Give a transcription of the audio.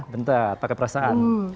bentar pakai perasaan